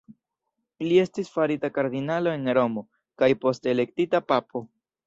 Li estis farita kardinalo en Romo, kaj poste elektita papo.